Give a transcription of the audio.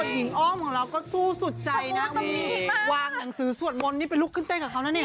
หญิงอ้อมของเราก็สู้สุดใจนะนี่วางหนังสือสวดมนต์นี่ไปลุกขึ้นเต้นกับเขานะเนี่ย